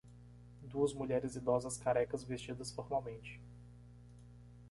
Duas mulheres idosas carecas vestidas formalmente